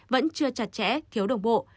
vẫn chưa chặt chẽ thiếu đồng bộ